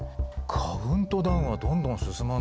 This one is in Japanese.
カウントダウンはどんどん進んでいきます」。